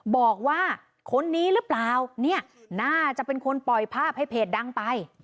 บอกว่าคนนี้หรือเปล่าเนี่ยน่าจะเป็นคนปล่อยภาพให้เพจดังไป